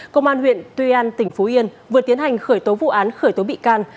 công an huyện tuy an tỉnh phú yên vừa tiến hành khởi tố vụ án khởi tố bị can